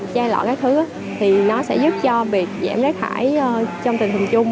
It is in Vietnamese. chai lọ các thứ thì nó sẽ giúp cho việc giảm rác thải trong tình hình chung